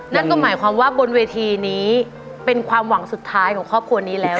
นั่นก็หมายความว่าบนเวทีนี้เป็นความหวังสุดท้ายของครอบครัวนี้แล้ว